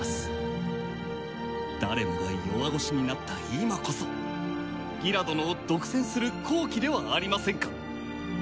誰もが弱腰になった今こそギラ殿を独占する好機ではありませんか。